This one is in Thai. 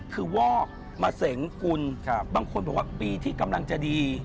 คือวอกมะเสงกุลบางคนบอกว่าปีที่กำลังจะดี